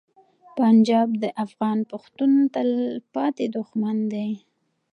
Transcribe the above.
پنجاب د افغان پښتون تلپاتې دښمن دی.